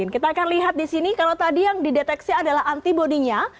kita akan lihat di sini kalau tadi yang dideteksi adalah antibody nya